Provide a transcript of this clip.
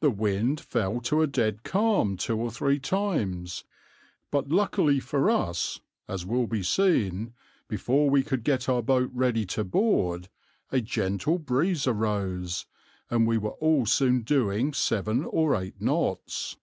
The wind fell to a dead calm two or three times; but luckily for us as will be seen before we could get our boat ready to board a gentle breeze arose, and we were all soon doing seven or eight knots.